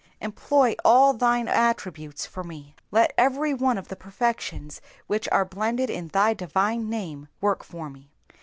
Employ all thine attributes for me. Let every one of the perfections which are blended in thy divine name work for me.